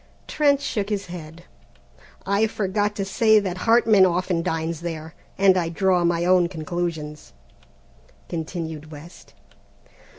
Trent shook his head. "I forgot to say that Hartman often dines there, and I draw my own conclusions," continued West.